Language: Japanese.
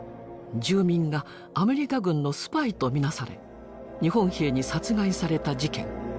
住民がアメリカ軍のスパイとみなされ日本兵に殺害された事件。